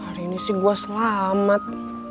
hari ini sih gue selamat